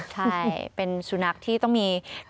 ใช่เป็นสุนัขที่ต้องมี